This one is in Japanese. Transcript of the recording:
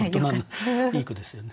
いい句ですよね。